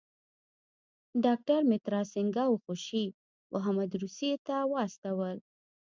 ډاکټر مترا سینګه او خوشي محمد روسیې ته واستول.